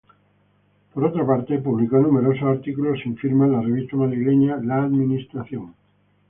Por otra parte, publicó numerosos artículos sin firma en la revista madrileña La Administración.